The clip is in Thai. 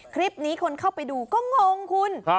คลิปนี้คนเข้าไปดูก็งงคุณ